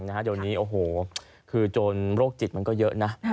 เดี๋ยวนี้โรคจิตมันก็เยอะนะ